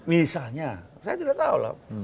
misalnya saya tidak tahu loh